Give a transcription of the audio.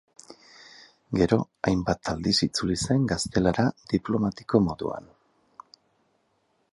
Gero hainbat aldiz itzuli zen Gaztelara diplomatiko moduan.